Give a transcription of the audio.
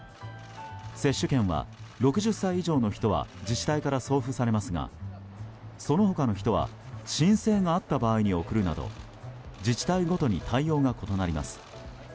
接種券は、６０歳以上の人は自治体から送付されますがその他の人は申請があった場合に送るなど自治体ごとに対応が異なります。